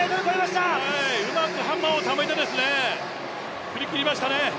うまくハンマーをためて振り切りましたね。